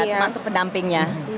iya termasuk pendampingnya